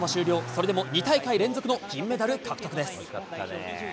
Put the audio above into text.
それでも２大会連続の銀メダル獲得です。